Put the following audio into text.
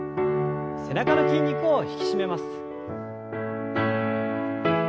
背中の筋肉を引き締めます。